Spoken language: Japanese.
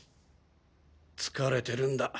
疲れてるんだ。